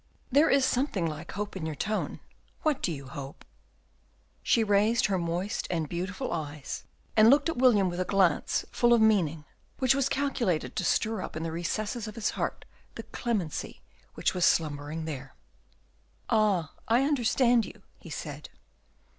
"There is something like hope in your tone; what do you hope?" She raised her moist and beautiful eyes, and looked at William with a glance full of meaning, which was calculated to stir up in the recesses of his heart the clemency which was slumbering there. "Ah, I understand you," he said.